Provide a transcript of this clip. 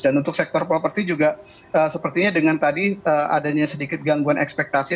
dan untuk sektor properti juga sepertinya dengan tadi adanya sedikit gangguan ekspektasi